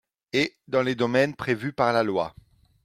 et dans les domaines prévus par la loi